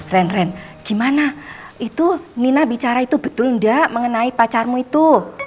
renren gimana itu nina bicara itu betul ndak mengenai pacarmu itu